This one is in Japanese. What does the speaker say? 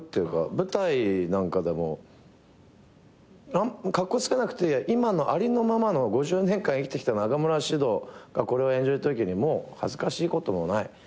舞台なんかでもカッコ付けなくて今のありのままの５０年間生きてきた中村獅童がこれを演じるときに恥ずかしいこともない。